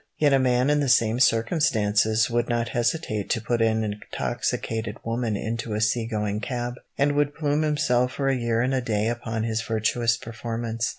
Yet a man in the same circumstances would not hesitate to put an intoxicated woman into a sea going cab, and would plume himself for a year and a day upon his virtuous performance.